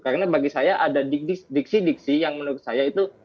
karena bagi saya ada diksi diksi yang menurut saya itu